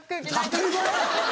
当たり前や！